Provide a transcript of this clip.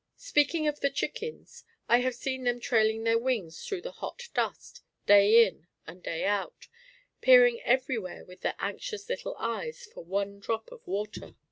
Speaking of the chickens, I have seen them trailing their wings through the hot dust, day in and day out, peering everywhere with their anxious little eyes for one drop of water.